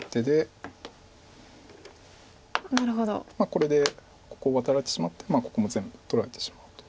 これでここワタられてしまってここも全部取られてしまうと。